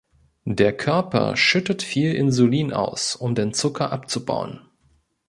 Der Körper schüttet viel Insulin aus, um den Zucker abzubauen.